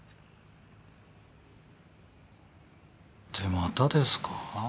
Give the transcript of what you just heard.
またですか？